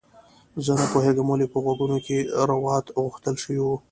زه نه پوهیږم ولې په غوږونو کې روات غوښتل شوي وو